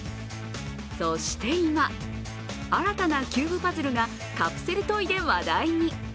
そして今、新たなキューブパズルがカプセルトイで話題に。